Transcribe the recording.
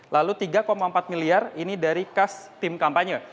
lalu tiga empat miliar ini dari kas tim kampanye